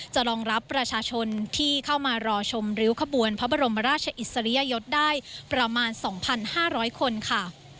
รองรับประชาชนที่เข้ามารอชมริ้วขบวนพระบรมราชอิสริยยศได้ประมาณ๒๕๐๐คนค่ะ